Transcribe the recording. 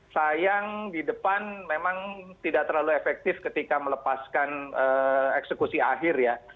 sayang di depan memang tidak terlalu efektif ketika melepaskan eksekusi akhir ya